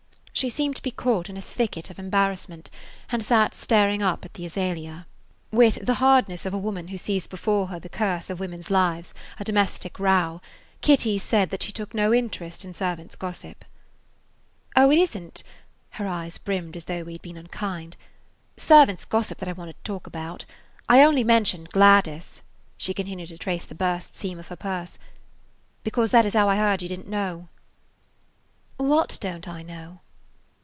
She seemed to be caught in a thicket of embarrassment, and sat staring up at the azalea. With the hardness of a woman who sees before her the curse of women's lives, a domestic row, Kitty said that she took no interest in servants' gossip. "Oh, it isn't–" her eyes brimmed as though we had been unkind–"servants' gossip that I wanted to talk about. I only mentioned Gladys"–she continued to trace the burst seam of her purse–"because that is how I heard you didn't know." "What don't I know?"